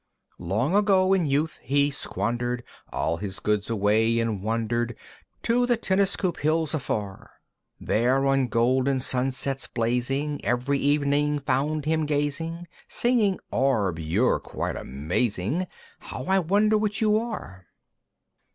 II. Long ago, in youth, he squander'd All his goods away, and wander'd To the Tiniskoop hills afar. There on golden sunsets blazing, Every evening found him gazing, Singing, "Orb! you're quite amazing! "How I wonder what you are!"